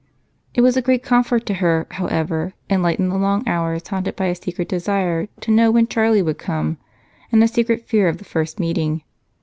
It was a great comfort to her, however, and lightened the long hours haunted by a secret desire to know when Charlie would come and a secret fear of the first meeting.